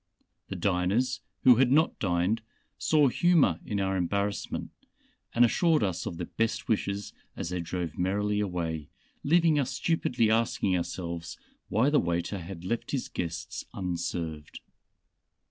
The diners who had not dined saw humor in our embarrassment, and assured us of their best wishes as they drove merrily away, leaving us stupidly asking ourselves why the waiter had left his guests unserved.